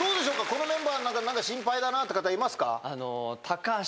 このメンバーの中で何か心配だなって方いますか？